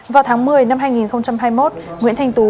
vào tháng một mươi năm hai nghìn hai mươi một nguyễn thanh tú